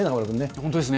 本当ですね。